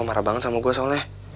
marah banget sama gue soalnya